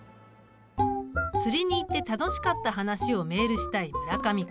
釣りに行って楽しかった話をメールしたい村上君。